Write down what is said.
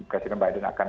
presiden biden akan